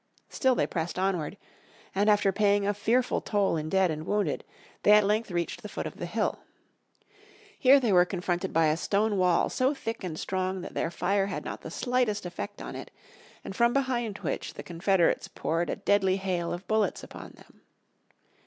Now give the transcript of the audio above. Still they pressed onward, and after paying a fearful toll in dead and wounded they at length reached the foot of the hill. Here they were confronted by a stone wall so thick and strong that their fire had not the slightest effect on it, and from behind which the Confederates poured a deadly hail of bullets upon them.